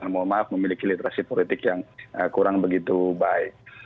mohon maaf memiliki literasi politik yang kurang begitu baik